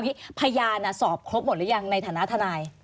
นี่พยานสอบครบหมดหรือยังในฐานะทนาย